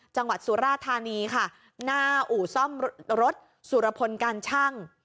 สุราธานีค่ะหน้าอู่ซ่อมรถสุรพลการชั่ง